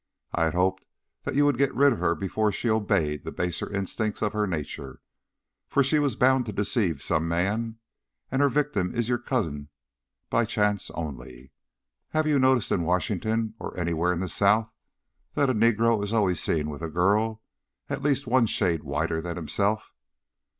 I had hoped that you would get rid of her before she obeyed the baser instincts of her nature. For she was bound to deceive some man, and her victim is your cousin by chance only. Have you noticed in Washington or anywhere in the South that a negro is always seen with a girl at least one shade whiter than himself?